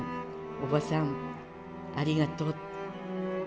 おばさんありがとう。